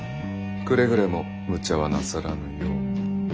くれぐれもむちゃはなさらぬよう。